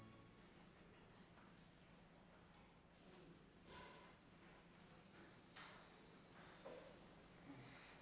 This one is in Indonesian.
gak ada apa apa